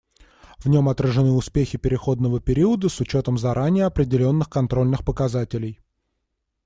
В нем отражены успехи переходного периода с учетом заранее определенных контрольных показателей.